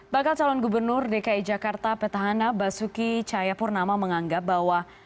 bakal calon gubernur dki jakarta petahana basuki cahayapurnama menganggap bahwa